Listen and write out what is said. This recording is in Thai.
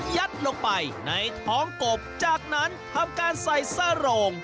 ยัดลงไปในท้องกบจากนั้นทำการใส่สโรง